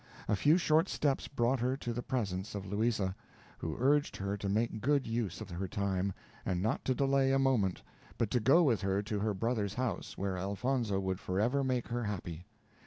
A few short steps brought her to the presence of Louisa, who urged her to make good use of her time, and not to delay a moment, but to go with her to her brother's house, where Elfonzo would forever make her happy.